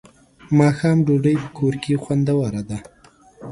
ماښام ډوډۍ په کور کې خوندوره ده.